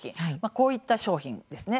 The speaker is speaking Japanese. こういった商品ですね。